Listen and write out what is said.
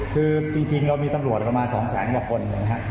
คือจริงเรามีตำรวจประมาณ๒แสนกว่าคนนะครับ